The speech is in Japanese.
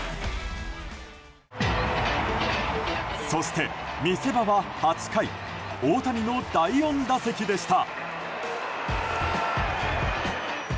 そして、見せ場は８回大谷の第４打席でした。